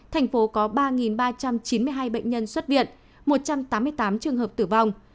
trong ngày một mươi chín tp hcm có ba ba trăm chín mươi hai bệnh nhân xuất viện một trăm tám mươi tám trường hợp tử vong